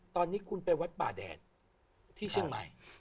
ตอนนี้คุณไปวัดป่าแดดที่เชียงใหม่